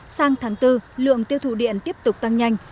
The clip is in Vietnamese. sang tháng bốn lượng tiêu thụ điện tiếp tục tăng nhanh